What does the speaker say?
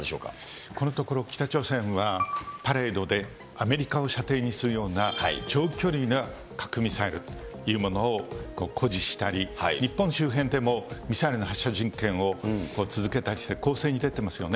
このところ、北朝鮮はパレードでアメリカを射程にするような長距離な核ミサイルというものを誇示したり、日本周辺でもミサイルの発射実験を続けたりして、攻勢に出てますよね。